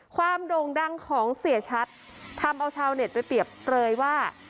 โด่งดังของเสียชัดทำเอาชาวเน็ตไปเปรียบเปรยว่า